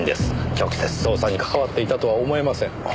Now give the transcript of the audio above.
直接捜査に関わっていたとは思えません。